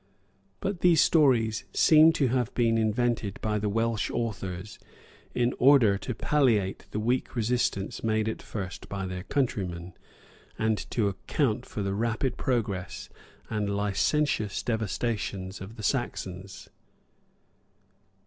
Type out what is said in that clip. [] But these stories seem to have been invented by the Welsh authors, in order to palliate the weak resistance made at first by their countrymen, and to account for the rapid progress and licentious devastations of the Saxons.